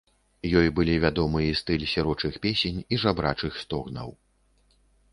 Ёй былі вядомы і стыль сірочых песень і жабрачых стогнаў.